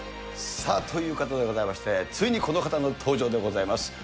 さあ、ということでございまして、ついにこの方の登場でございます。